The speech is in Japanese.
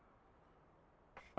あ。